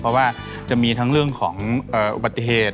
เพราะว่าจะมีทั้งเรื่องของอุบัติเหตุ